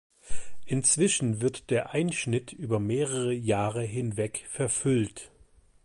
Inzwischen wird der Einschnitt über mehrere Jahre hinweg verfüllt.